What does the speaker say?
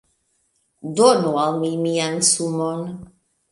Donu al mi mian sumon